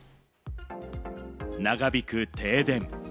長引く停電。